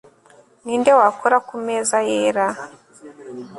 Ninde wakora ku meza Yera